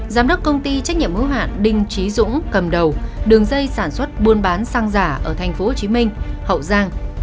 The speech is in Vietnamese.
giám đốc công ty trách nhiệm hữu hạn đình trí dũng cầm đầu đường dây sản xuất buôn bán xăng giả ở thành phố hồ chí minh hậu giang